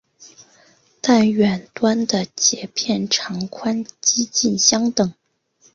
但远端的节片长宽几近相等。